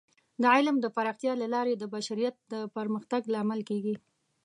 د علم د پراختیا له لارې د بشریت د پرمختګ لامل کیږي.